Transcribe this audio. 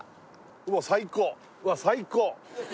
うわっ最高うわっ最高！